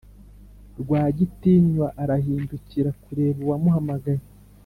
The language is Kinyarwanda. rwagitinywa arahindukira kureba uwumuhamagaye